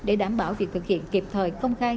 để đảm bảo việc thực hiện kịp thời công khai